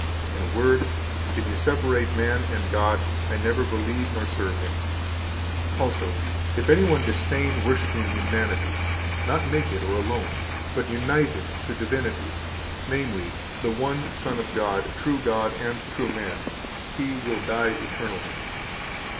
In a word, if you separate man and God, I never believe nor serve Him." 132 Also, "If any one disdain worshiping humanity, not naked or alone, but united to divinity, namely, the one Son of God, true God and true man, he will die eternally."